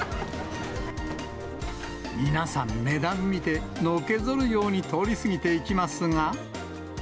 皆さん、値段見て、のけぞるように通り過ぎていきますが。